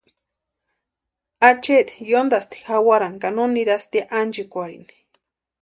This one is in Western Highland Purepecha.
Acheeti yóntasti jawarani ka no nirasti ánchekwarheni.